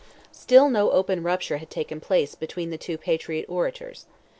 Still no open rupture had taken place between the two Patriot orators.